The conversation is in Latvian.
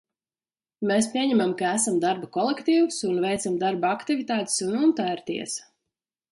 Mēs pieņemam, ka esam darba kolektīvs un veicam darba aktivitātes, un tā ir tiesa.